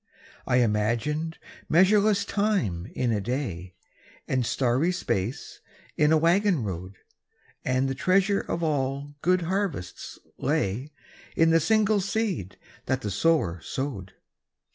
I imagined measureless time in a day, And starry space in a waggon road, And the treasure of all good harvests lay In the single seed that the sower sowed.